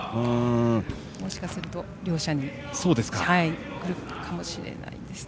もしかすると、両者に指導がくるかもしれないです。